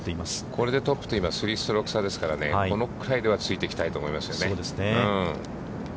これでトップと今３ストローク差ですから、このくらいでは、ついていきたいと思いますよね。